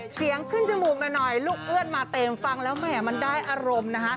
ขึ้นจมูกหน่อยลูกเอื้อนมาเต็มฟังแล้วแหมมันได้อารมณ์นะคะ